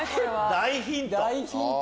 大ヒント！